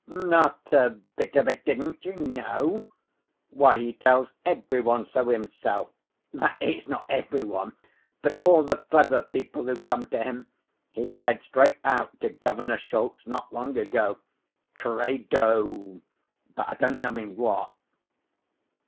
"Not a bit of it. Didn't you know? Why, he tells every one so, himself. That is, not every one, but all the clever people who come to him. He said straight out to Governor Schultz not long ago: 'Credo, but I don't know in what.